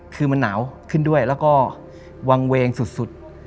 คือมันหนาวขึ้นด้วยแล้วก็วางเวงสุด